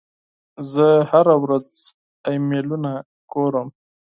زه هره ورځ ایمیلونه ګورم.